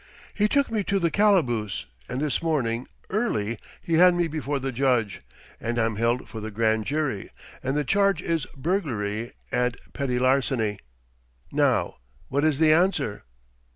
He took me to the calaboose, and this morning, early, he had me before the judge, and I'm held for the grand jury, and the charge is burglary and petit larceny. Now what is the answer?"